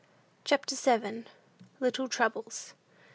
CHAPTER VII. LITTLE TROUBLES.